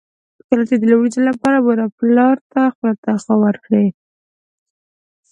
کله چې د لومړي ځل لپاره مور او پلار ته خپله تنخوا ورکړئ.